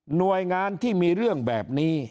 หน่วยงานที่มีเรื่องแบบนี้